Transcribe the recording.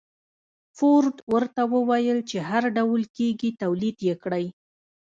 فورډ ورته وويل چې هر ډول کېږي توليد يې کړئ.